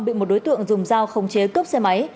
bị một đối tượng dùng dao không chế cướp xe máy